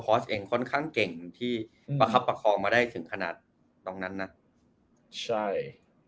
เองค่อนข้างเก่งที่ประคับประคองมาได้ถึงขนาดตรงนั้นนะใช่